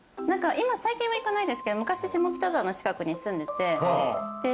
最近は行かないですけど昔下北沢の近くに住んでてで。